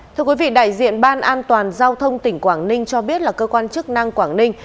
thưa quý vị đại diện ban an toàn giao thông tỉnh quảng ninh cho biết là cơ quan chức năng quảng ninh